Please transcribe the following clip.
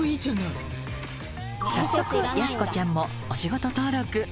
早速やす子ちゃんもお仕事登録。